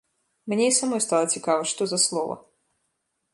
Мне і самой стала цікава, што за слова.